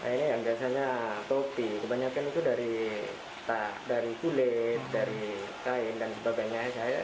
ini yang biasanya topi kebanyakan itu dari kulit dari kain dan sebagainya